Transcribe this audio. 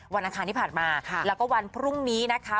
อังคารที่ผ่านมาแล้วก็วันพรุ่งนี้นะคะ